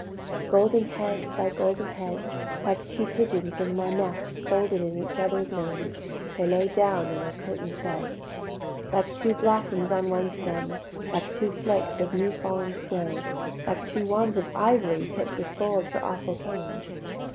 Golden head by golden head, Like two pigeons in one nest Folded in each other's wings, They lay down in their curtain'd bed: Like two blossoms on one stem, Like two flakes of new fall'n snow, Like two wands of ivory Tipp'd with gold for awful kings.